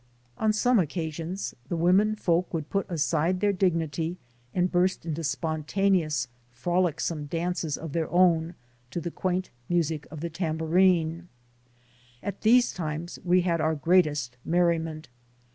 On some occasions the women A NATIVE OF ANCIENT APULIA 21 folk would put aside their dignity and burst into spontaneous frolicsome dances of their own to the quaint music of the tambourine. At these times, we had our greatest merriment.